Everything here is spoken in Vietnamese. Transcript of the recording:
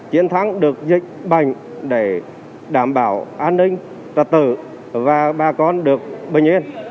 chiến thắng được dịch bệnh để đảm bảo an ninh trật tự và bà con được bình yên